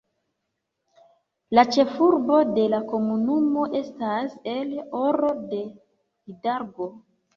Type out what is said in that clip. La ĉefurbo de la komunumo estas El Oro de Hidalgo.